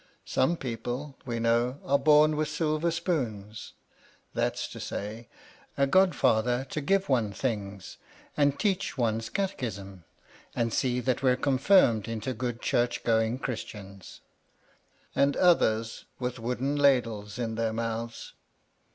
Some people, we know, are bom with silver spoons, — that's to say, a godfather to give one things, and teach one one's catechism, and see that we're confirmed into good church going Christians, — and others with wooden ladles in their mouths.